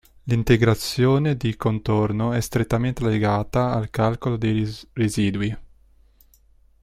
L'integrazione di contorno è strettamente legata al calcolo dei residui.